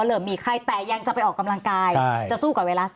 เริ่มมีไข้แต่ยังจะไปออกกำลังกายจะสู้กับไวรัส